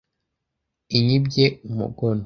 inyibye umugono